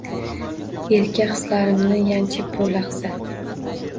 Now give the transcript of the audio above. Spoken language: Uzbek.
Erka hislarimni yanchib bu lahza